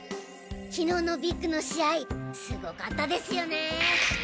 昨日のビッグの試合すごかったですよね。